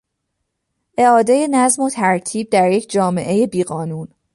اعادهی نظم و ترتیب در یک جامعهی بیقانون